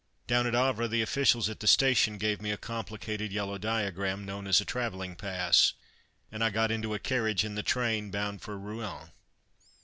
Down at Havre the officials at the station gave me a complicated yellow diagram, known as a travelling pass, and I got into a carriage in the train bound for Rouen.